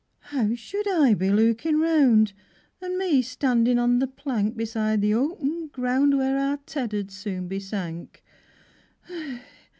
How should I be lookin' round An' me standin' on the plank Beside the open ground, Where our Ted 'ud soon be sank?